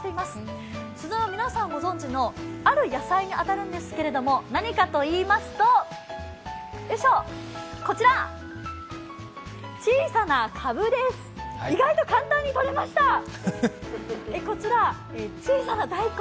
すずなは皆さんご存じのある野菜に当たるんですけれども、何かといいますと、小さなかぶです意外と簡単にとれました！